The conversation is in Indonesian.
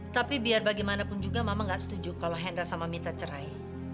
tapi biar bagaimanapun juga mama gak setuju kalau hendra sama mita cerai